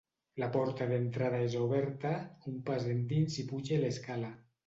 La porta d'entrada és oberta; un pas endins i puge l'escala.